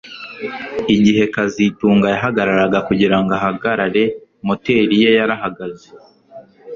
Igihe kazitunga yahagararaga kugirango ahagarare moteri ye yarahagaze